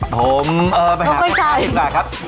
ผมเป็นชาย